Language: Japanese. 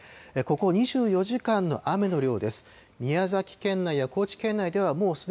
ここ２４時間の雨の量です。